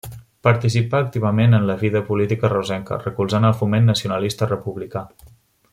Participà activament en la vida política reusenca, recolzant el Foment Nacionalista Republicà.